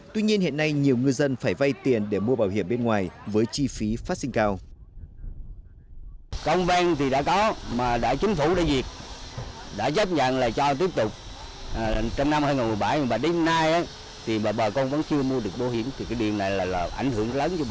tuy nhiên hiện nay nhiều ngư dân phải vay tiền để mua bảo hiểm bên ngoài với chi phí phát sinh cao